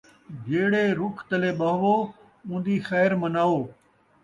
جیڑے رُکھ تلے ٻہوو ، اون٘دی خیر مناوو